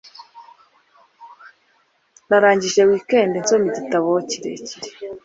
Narangije weekend nsoma igitabo kirekire.